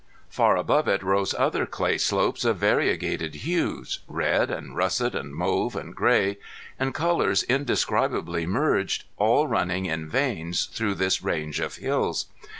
Far above it rose other clay slopes of variegated hues, red and russet and mauve and gray, and colors indescribably merged, all running in veins through this range of hills.